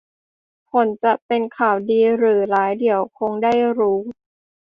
ผลจะเป็นข่าวดีหรือร้ายเดี๋ยวคงได้รู้